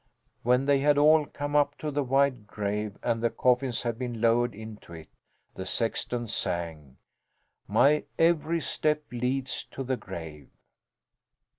When they had all come up to the wide grave and the coffins had been lowered into it, the sexton sang "My every step leads to the grave."